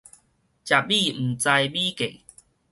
食米毋知米價